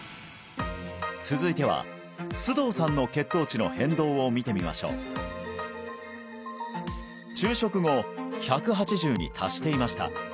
続いては須藤さんの血糖値の変動を見てみましょう昼食後１８０に達していました